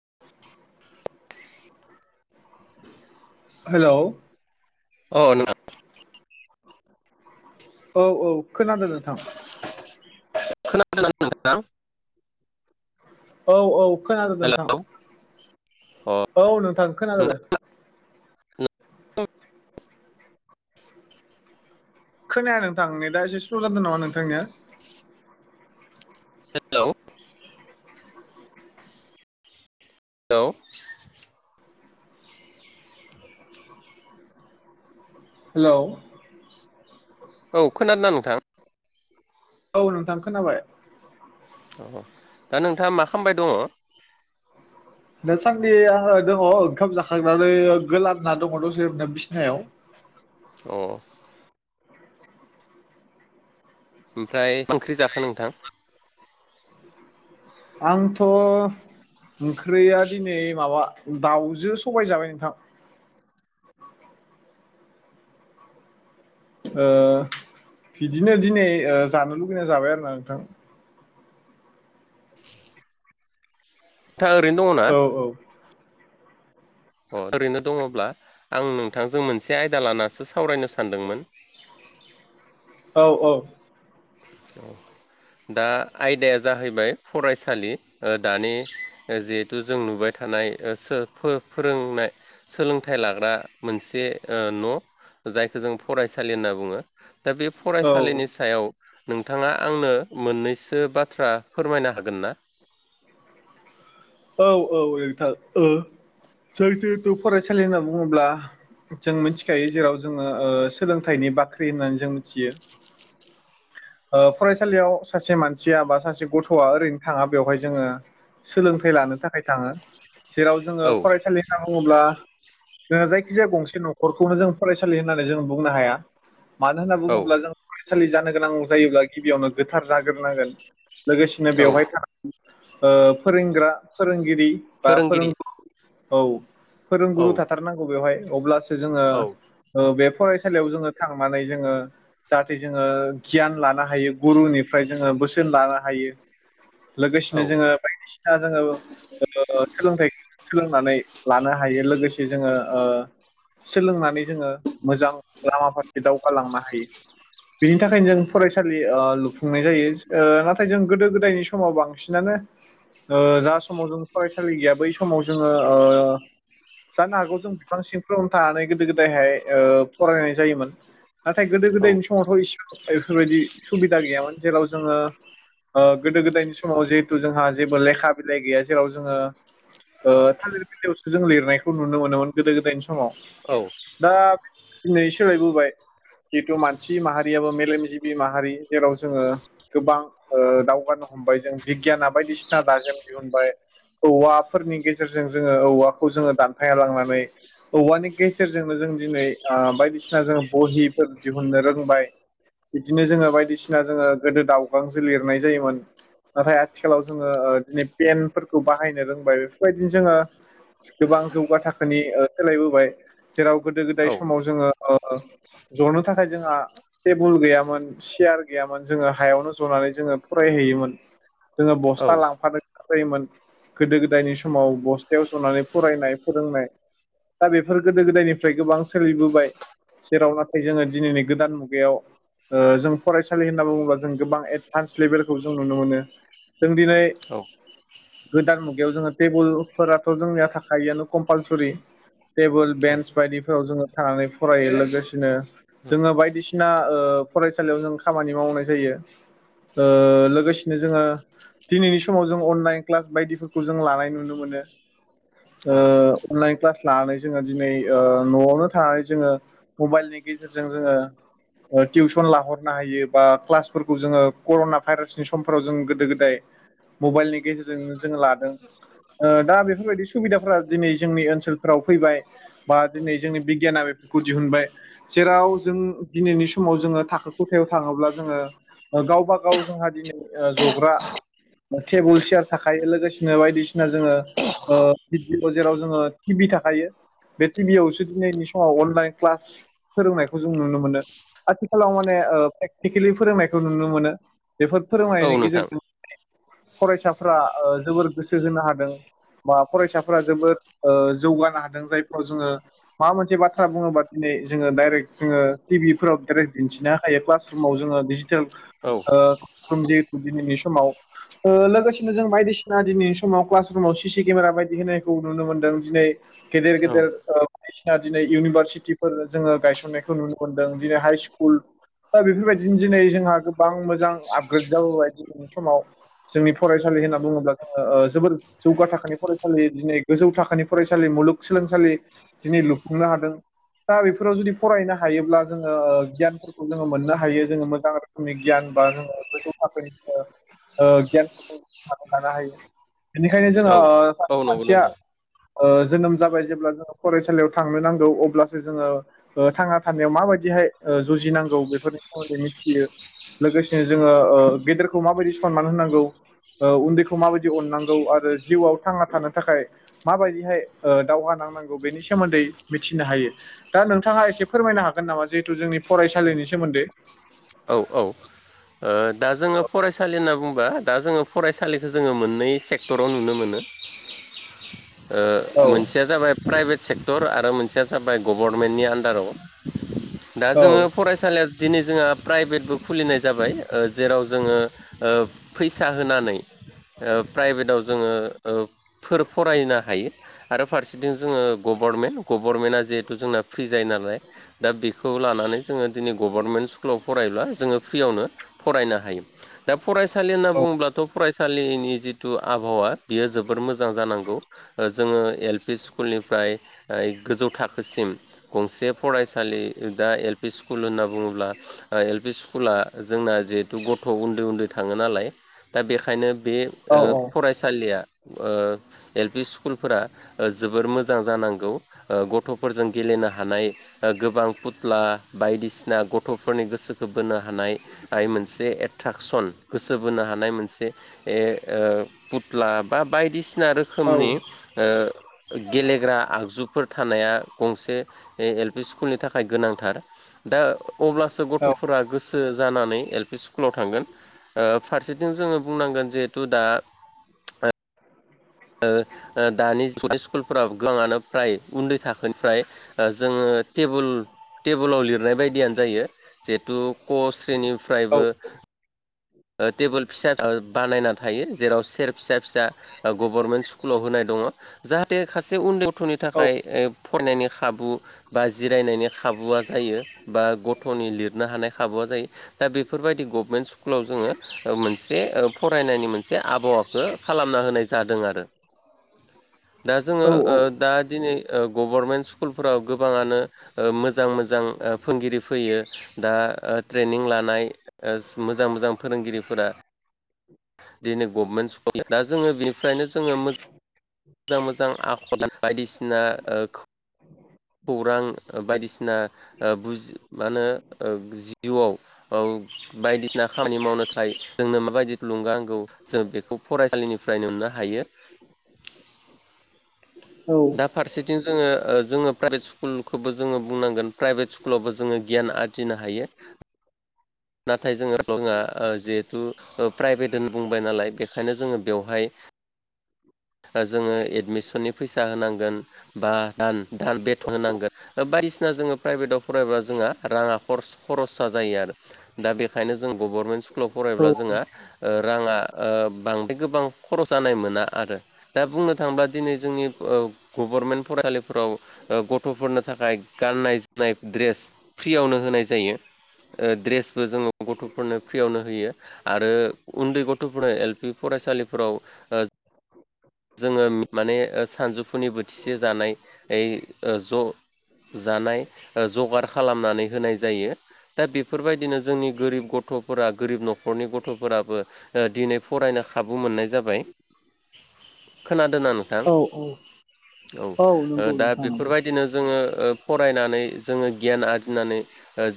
[inaudible] हेल'। अ नोंथां। औ औ खोनादों नोंथां। [unintelligible] औ औ खोनादों हेलौ नोंथां। अ औ नोंथां खोनादों। नोंथां खोनाया नोंथां नेदा एसे स्ल' जादों नामा नोंथांनिया। हेल'। हेल'। हेल'। औ खोनादों ना नोंथां? औ नोंथां खोनाबाय। औ दा नोंथाङा मा खामबाय दङ? दासानदि आङो दङ ओंखाम जाखांनानै गोलांना दङ दसे बिसिनायाव । औ। ओमफ्राय मा ओंख्रि जाखो नोंथां? आंथ' ओंख्रिया दिनै माबा दाउजों सबाय जाबाय नोंथां। [inaudible] ओ बिदिनो दिनै ओ जानो लुगैना जाबाय आरो ना नोंथां। दा ओरैनो दङ ना? औ औ अ ओरैनो दङब्ला आं नोंथांजों मोनसे आयदा लानासो सावरायनो सानदोंमोन [inaudible] औ औ [inaudible] दा आयदाया जाहैबाय फरायसालि ओ दानि जिहेथु जों नुबाय थानाय [unintelligible] फोरोंनाय सोलोंथाइ लाग्रा मोनसे ओ न' जायखौ जों फरायसालि होनना बुङो दा बे फरायसालिनि औ सायाव नोंथाङा आंनो मोननैसो बाथ्रा फोरमायनो हागोन ना? [inaudible] औ औ नोंथा ओ जों जिहेथु फरायसालि होनना बुङोब्ला जों मिथिखायो जेराव जोङो ओ सोलोंथाइनि बाख्रि होननानै जों मिथियो ओ फरायसालियाव सासे मानसिया बा सासे गथ'आ ओरैनो थाङा बेवहाय जोङो सोलोंथाइ लानो थाखाय थाङो जेराव जोङो औ फरायसालि बुङोब्ला जोङो जायखिजाया गंसे न'खरखौनो जों फरायसालि होननानै जों बुंनो हाया। मानो होनना औ बुङोब्ला जों फरायसालि जानो गोनां जायोब्ला गिबियावनो गोथार जाग्रोनांगोन लोगोसेनो औ बेवहाय [unintelligible] ओ फोरोंग्रा फोरोंगिरि बा फोरों फोरोंगिरि औ औ फोरोंगुरु थाथारनांगौ बेवहाय अब्लासो जोङो औ बे फरायसालियाव जोङो थांनानै जोङो जाहाथे जोङो गियान लानो हायो गुरुनिफ्राय जोङो बोसोन लानो हायो। औ लोगोसेनो जोङो बायदिसिना जोङो ओ सोलोंथाइखौ सोलोंनानै लानो हायो लोगोसे जोङो ओ सोलोंनानै जोङो मोजां लामा फारसे दावगालांनो हायो [unintelligible] थाखायनो जों फरायसालि ओ लुफुंनाय जायो ओ नाथाय जों गोदो गोदायनि समाव बांसिनानो ओ जा समाव जों फरायसालि गैया बै समाव जोङो ओ जानो हागौ जों बिफां सिंफोरावनो थानानै गोदो गोदायहाय ओ फरायनाय जायोमोन। नाथाय गोदो औ गोदायनि समावथ' [unintelligible] बेफोरबायदि सुबिदा गैयामोन जेराव जोङो । ओ गोदो गोदायनि समाव जिहेथु जोंहा जेबो लेखा बिलाइ गैया जेराव जोङो ओ थालिर बिलाइयावसो जोङो लिरनायखौ नुनो मोनोमोन गोदो गोदायनि समाव। औ दा दिनै सोलायबोबाय जिहेथु मानसि माहारियाबो मेलेमजिबि माहारि जेराव जोङो गोबां ओ दावगानो हमबाय जों बिगियान बायदिसिना दाजेम दिहुनबाय औवाफोरनि गेजेरजों जोङो औवाखौ जोङो दानफायनानै लांनानै औवानि गेजेरजोंनो जों दिनै ओ बायदिसिना जों बहिफोर दिहुननो रोंबाय। बिदिनो जोङो बायदिसिना जोङो गोदो दाउगांजों लिरनाय जायोमोन। नाथाय आथिखालाव जोङो ओ दिदै पेनफोरखौ बाहायनो रोंबाय बेफोरबायदिनो जोङो गोबां गोबां जौगा थाखोनि ओ सोलायबोबाय जेराव गोदो गोदाय समाव जोङो ओ जनो थाखाय जोंहा टेबोल गैयामोन सियार गैयामोन जोङो हायावनो जनानै जोङो फरायहैयोमोन। जोङो बस्था औ लांफादों जायोमोन गोदो गोदायनि समाव बसथायाव जनानै फरायनाय फोरोंनाय दा बेफोर गोदो गोदायनिफ्राय गोबां सोलिबोबाय जेराव नाथाय जोङो दिनैनि गोदान बेयाव ओ जों फरायसालि होनना बुङोबा जों गोबां एडभान्स लेभेलखौ जों नुनो मोनो। जों दिनै गोदान मुगायाव जोङो टेबोलफोराथ' जोंनिया थाखआनो कम्पालसरि टेबोल औ बेन्स बायदिफोराव जोङो थानानै फरायो लोगोसेनो जोङो बायदिसिना बदिना फरायसालियाव जों खामानि मावनाय जायो लोगोसेनो जोङो दिनैनि समाव जों अनलाइन क्लास बायदिफोरखौ जों लानाय नुनो मोनो औ अनलाइन क्लास लानानै जोङो दिनै न'आवनो थानानै जोङो मबाइलनि गेजेरजों जोङो टिउसन लाहरनो हायो बा क्लासफोरखौ जोङो कर'ना भाइरासनि समफोराव जों गोदो गोदाय मबाइलनि गेजेरजोंनो जोङो लादों दा बेफोरबायदि सुबिदाफोरा दिनै जोंनि ओनसोलफोराव फैबाय बा दिनै जोंनि बिगियाना बे गु दिहुनबाय जेराव जों दिनैनि समाव जोङो थाखो खथायाव थाङोब्ला जोङो गावबा गाव जोंहा दिनै जग्रा टेबोल चयार थाखाय लोगोसेनो बायदिसिना जोङो । भिडअ जेराव जोङो टि भि थाखायो । बे टिभि आयावसो दिनैनि समाव अनलाइन क्लास फोरोंनायखौ जों नुनो मोनो आथिखालाव माने प्रेक्टिकेलि फोरोंनायखौ नुनो मोनो बेफोर फोरोंनायनि औ नोंथां गेजेरजों फरायसाफ्रा जोबोर गोसो होनो हादों । बा फरायसाफोरा जोबोद जौगानो हादों जायफोराव जोङो माबा मोनसे बाथ्रा बुङोबा दिनै । जोङो डाइरेक्ट जो टि भिफ्राव डाइेक्ट दिन्थिनो हायो क्लास रुमाव जोङो डिजिटेल औ । जिु दिनैनि समाव लोगोसेनो जों बायदिसिना दिनैनि समाव क्लास रुमाव केमेरा बायदि होनायखौु मोनदों दिनै गेदेर औ गेदेर बायदिसिना दिनै इउनिभारसिटि फोर जोङो गायसननायखौ नुनो मोन्दों दिनै हाइ स्कुल बेफोरबायदिनो दिनै जोंहा गोबां मोजां आपग्रेड जाबोबाय दिनै समाव जोंनि फरायसालि होनना बुङोब्ला जोङो जोबोद जौगा थाखोनि फरायसालि दिनै गोजौ थाखोानि फरायसालिमोन । मुलुगसोलोंसालि दिनै लुफुंनो हादों दा बेफोराव जुदि फरायनो हायोब्ला जोङो गियानफोरखौ जोङो मोननो हायो जोङो मोजां रोखोमनि गियान बा जोङो गोसौ थाखोनि गियानफोरखौ लानो हायो बेनिखायनो औ जोङो सासे औ नंगौ मानसिया नोंथाङां जोनोम जाबाय जेब्ला जोङो फरायसालियाव थांनो नांगौ अब्लासो जोङो थाङा । सनायाव माबायदिहाय जुजिनांगौ बेफोरनि सोमोन्दै मिथियो लोगोसेनो जोङो गेदेरखौ माबायदि सनमान होनांगौ उन्दैखौ माबायदि अननांगौ आरो जिउआव थांना थानो थाखाय माबायदिहाय दावहा नांगौ । [inaudible] बेनि सोमोन्दै मिथिनो हायो । दानों थाङा फोरमायनो हागोन नामा जिहेथु जोंनि फरायसालिनि सोमोन्दै औ औ ओ दा जोङो फरायसालि होनना बुंबा दा जोङो फरायसालिखौो जोङो मोननै सेक्टराव नुनो मोनो । ओ औ मोनसेया जाबाय प्राइभेट सेक्टर आरो मोनसेया जाबाय गभर्नमेन्टनि आन्दाराव दा औ जोङो फरायसालिया दिनै जोंहा प्राइभेटबो खुलिनाय जाबाय । जेराव जोङो ओ फैसा होनानै ओ प्राइभेटाव जोङो ओ फोर फरायनो हायो आरो फारसेथिं जोङो गभारनमेन्ट गभर्नमेन्टआ जिहेथु जोंना फ्रि जायो ना नालाय दा बेखौ लानानै जोङो दिनै गभर्नमेन्ट स्कुलाव फरायब्ला जोङो फ्रियावनो फरायनो हायो दा फरायसालि होनना औ बुङोब्लाथ' फरायसालिनि जिथु आबहावा बियो जोबोद मोजां जानांगौ जोङो एल पि स्कुलनिफ्राय गोजौ थाखोसिम गंसे फरायसालि दा एल पि स्कुल होनना बुङोब्ला ओ एल पि पि स्कुला जोंना जिहेथु गथ' उन्दै उन्दै थाङो नालाय दा बेखायनो बे ओ औ फरायसालिया ओ एल पि स्कु स्कुलफोरा जोबोर मोजां जानांगौ गथ'फोरजों गेलेनो हानाय गोबां फुथ्ला बायदिसिना गथ'फोरनि गोसोखौ बोनो हानाय आइ मोनसे एट्राकसन गोसो बोनो हानाय मोनसे ए ओ फुथ्ला बा बायदिसिना औ रोखोमनि ओ गेलेग्रा आगजुफोर थानाया गंसे एल पि स्कुलनि थाखाय गोनांथार । दा अब्लासो गथ'फोरा गोसो जानानै एल पि स्कु स्कुलाव थांगोन ओ फारसेथिं जोङो बुंनांगोन जिहेथु दा ओ दानि स्कुलफोराव गोबांङानो फ्राय उन्दै थाखोनिफ्राय जोङो टेबोल टेबोलाव लिरनाय बायदियानो जायो । टु क औ स्रेनिफ्रायबो टेबोल फिसा बानायना थायो जेराव सियार फिसा फिसा गभर्नमेन्ट स्कुलाव होनाय दङ जाहाथे सासे उन्दै गथ'नि थाखाय फरायनायनि खाबु बा जिरायनायनि खा खाबुआ जायोबा गथ'नि लिरनो हानाय खाबुआ जायो दा बेफोर बायदि गभमेन्ट स्कु स्कुलाव जोङो मोनसे फरायनायनि मोनसे आबहावाखौ खालामना होनाय जादों आरो । [inaudible] दा जोङो औ ओ दा दिनै ओ गभर्नमेन्ट स्कुलफोराव गोबाङानो ओ मोज जां मोजां ओ फोरोंगिरि फैयो दा ओ ट्रेनिं लानाय ओ मोजां मोजां फोरोंगिरिफोरा दिनै गभनमेन्ट स्कुल दा जोङो बिनिफ्रायनो जोङो मोज जां मोजां आखल बायदिसिना ओ खौरां बायदिसिना बुजि मा होनो जिउआव बायदिसिना खामानि मावनो थाखाय जोंनो माबायदि थुलुंगा नांगौ जों बेखौ फरायसालिनिफ्राय नुनो हायो । औ दा फारसेथिं जोङो जोङो प्राइभेट स्कुलखौबो जोङो बुंनांगोन प्राइभेट स्कुलावबो जोङो गियान आरजिनो हायो । नाथाय जोङो जिहेथु प्राइभेट होनना बुंबाय नालाय बेखायनो जोङो बेवहाय जोङो एडमिसननि फैसा होनांगोन बा दान दान बेथन होनांगोन बायदिसि बायदिसिना जोङो प्राइभेटाव फरायबा जोंना राङा खरस खरसा जायो आरो । दा बेखायनो जों गभर्नमेन्ट स्कुलाव फरायब्ला जोंहा ओ राङा ओ बांद्राय गोबां खरस जानाय मोना आरो दा बुंनो थाङोब्ला दिनै जोंनि ओ गभारमेन्ट फरायसालिफोराव गथ'फोरनो थाखाय गाननाय जोमनाय ड्रेस फ्रियावनो होनाय जायो ओ ड्रेस जोंङो गथ'फोरनो फ्रियावनो होयो आरो उन्दै गथ'फोरनो एल पि फरायसालिफोराव ओ [inaudible] जोङो माने सानजौफुनि बोथिसे जानाय ओ ज' जानाय जगार खालामनानै होनाय जायो दा बेफोर बायदिनो जोंनि गोरिब गथ गथ'फोरा गोरिब न'खरनि गथ'फोराबो दिनै फरायनो खाबु मोननाय जाबाय । खोनादोंना नोंथां। औ औ औ नंगौ दा नोंथां बेफोर नंगौ बायदिनो जोङो फरायनानै जोङो गियान आरजिनानै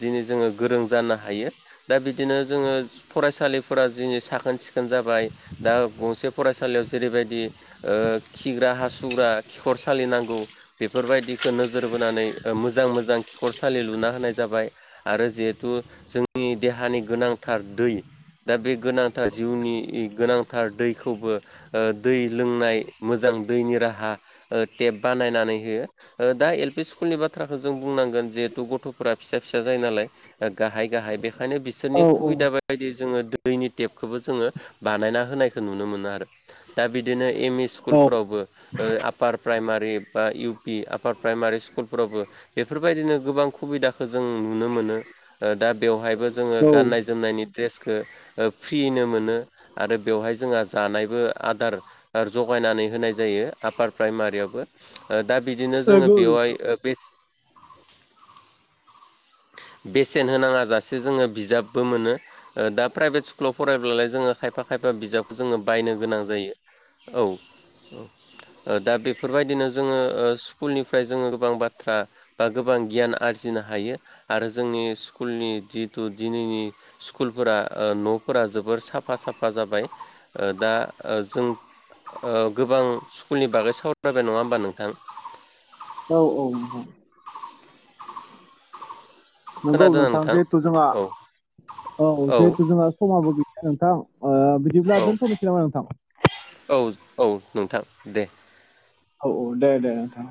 दिनै जोङो गोरों जानो हायो दा बिदिनो जोङो फरायसालिफोरा दिनै साखोन सिखोन। सिखोन जाबाय दा गंसे फरायसालियाव जेरै बायदि खिग्रा हासुग्रा खिखर सालि नांगौ बेफोरबायदिखौ नोजोर बोनानै मोजां मोजां खिखरसालि लुना होनाय जाबाय आरो जिहेथु जोंनि देहानि मानि गोनांथार दै दा बे गोनांथार जिउनि गोनांथार दैखौबो दै लोंनाय मोजां दैनि राहा थेब बानायनानै होयो दा एल स्कुलनि बाथ्राखौ जों बुंनांगोन जिहेथु गथ'फोरा फिसा फिसा। गाहाय गाहाय बेखायनो औ बिसोरनि औ सुबिदा बायदि। जोङो दैनि टेपखौबो जोङो बानायना होनायखौ नुनो मोनो आरो। दा बिदिनो एम इ औ स्कुलफोरावबो आफार प्राइमारि बा इउ बि आफार प्राइमारि स्कुलफोरावबो बेफोर बायदिनो। गोबां सुबिदाखौ जों नुनो मोनो दा बेवहायबो जोङो औ गाननाय जोमनायनि फ्रियैनो मोनो आरो बेवहाय जोंहा जानायबो आदार। जगायनानै होनाय जायो आपार प्राइमारियावबो दा बिदिनो जोङो नंगौ बेवहाय नोंथां बे बेसेन होनाङा जासे जोङो बिजाबबो मोनो ओ दा प्राइभेट स्कुलाव फरायब्लालाय जोङो खायफा खायफा बिजाबखौ जोङो बायनो गोनां जायो औ ओ दा जों ओ बेफोरबादिनो स्कुल फ्राय जोङो गोबां बाथ्रा बा गोबां गियान आरजिनो हायो आरो जोंनि स्कुलनि जितु दिनैनि स्कुलफोरा ओ न'फोरा जोबोर साफा साफा साफा जाबाय ओ दा ओ जों ओ गोबां स्कुलनि बागै सावरायबाय नङा होमबा नोंथां औ औ नंगौ नोंथां जिहेथु जोंहा औ औ जिहेथु जोंहा समाबो गैया नोंथां ओ बिदिब्ला औ दोनथ'नोसै नामा नोंथां औ औ नोंथां दे औ औ दे दे आथा